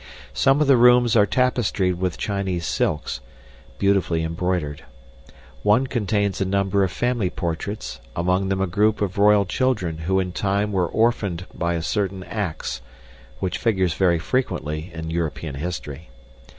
Some of the rooms are tapestried with Chinese silks, beautifully embroidered. One contains a number of family portraits, among them a group of royal children who in time were orphaned by a certain ax, which figures very frequently in European history.